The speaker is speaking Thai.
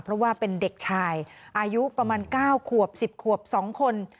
เพราะว่าเป็นเด็กชายอายุประมาณ๙ขวบ๑๐ขวบ๒คน